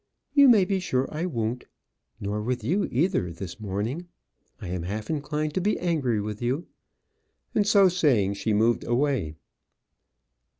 "You may be sure I won't nor with you either this morning. I am half inclined to be angry with you." And so saying, she moved away.